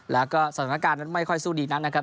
แล้วก็สถานการณ์นั้นไม่ค่อยสู้ดีนักนะครับ